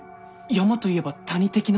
山と言えば谷的な？